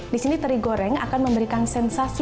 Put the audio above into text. disini teri goreng akan memberikan sensasi